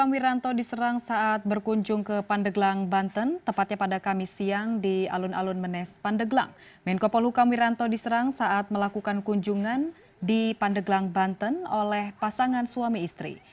wiranto dikabarkan saat melakukan kunjungan di pandeglang banten oleh pasangan suami istri